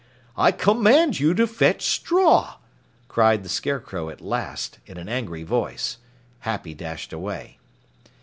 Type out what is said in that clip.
"I command you to fetch straw!" cried the Scarecrow at last, in an angry voice. Happy dashed away.